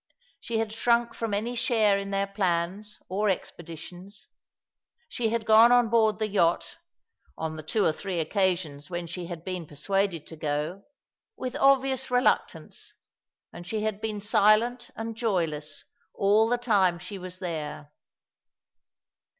She had shrunk from any share in their plans or expeditions. She had gone on board the yacht — on the tw^o or three occasions when she had been persuaded to go — with obvious reluctance, and she had been silent and joyless all the time she was there.